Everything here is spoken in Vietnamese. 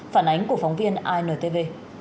phản ánh của phóng viên intv